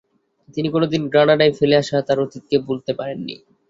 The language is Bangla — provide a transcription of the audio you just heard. তিনি কোনোদিন গ্রানাডায় ফেলে আসা তার অতীতকে ভুলতে পারেননি।